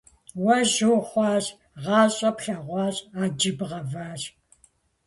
Уэ жьы ухъуащ, гъащӀэ плъэгъуащ, Ӏэджэ бгъэващ…